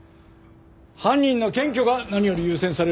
犯人の検挙が何より優先されるべきだ。